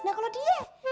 nah kalau dia